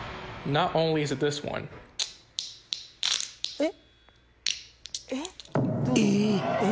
えっ？